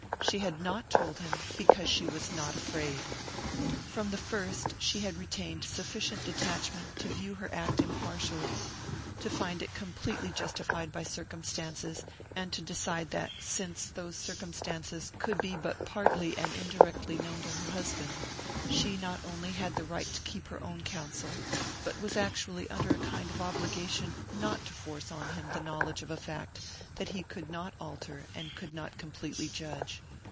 She had not told him because she was not afraid. From the first she had retained sufficient detachment to view her act impartially, to find it completely justified by circumstances, and to decide that, since those circumstances could be but partly and indirectly known to her husband, she not only had the right to keep her own counsel, but was actually under a kind of obligation not to force on him the knowledge of a fact that he could not alter and could not completely judge....